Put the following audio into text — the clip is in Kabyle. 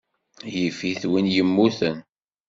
Yif-it win yemmuten.